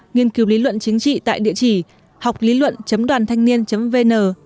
nghiên cứu lý luận chính trị tại địa chỉ họclýluận doanthanhniên vn